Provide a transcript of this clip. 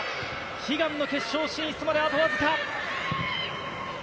悲願の決勝進出まであとわずか。